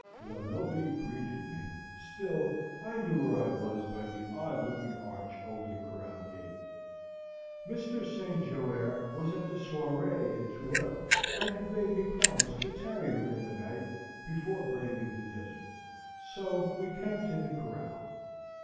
Though nobody greeted me, still I knew where I was by the odd looking arch over the corral gate. Mr. St. Joer was at the soiree in Tooele, and had made me promise to tarry with him a night before braving the desert; so we camped in the corral.